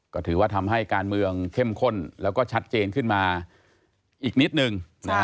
ก็ถือว่าทำให้การเมืองเข้มข้นแล้วก็ชัดเจนขึ้นมาอีกนิดนึง